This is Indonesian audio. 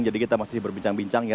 jadi kita masih berbincang bincang ya